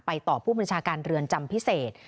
ต่อผู้บัญชาการเรือนจำพิเศษ